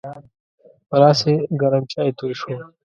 په لاس یې ګرم چای توی شو.